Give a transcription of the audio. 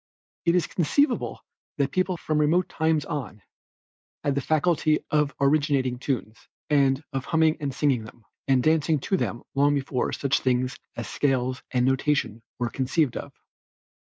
It is conceivable that people from remote times on, had the faculty of originating tunes, and of humming and singing them, and dancing to them long before such things as scales and notation were conceived of.